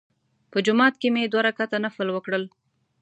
په جومات کې مې دوه رکعته نفل وکړل.